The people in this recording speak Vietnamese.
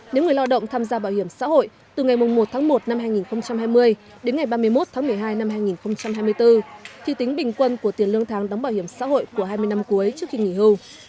nếu người lao động tham gia bảo hiểm xã hội từ ngày một tháng một năm hai nghìn hai mươi đến ngày ba mươi một tháng một mươi hai năm hai nghìn hai mươi bốn thì tính bình quân của tiền lương tháng đóng bảo hiểm xã hội của hai mươi năm cuối trước khi nghỉ hưu